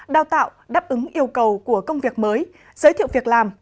đào tạo đáp ứng yêu cầu của công việc mới giới thiệu việc làm